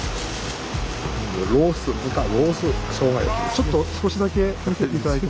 ちょっと少しだけ見せて頂いても。